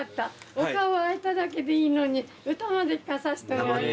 お顔会えただけでいいのに歌まで聴かさせてもらって。